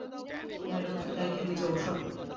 আমি এটা তোদের ট্যাঙ্কের নিচে বসাবো।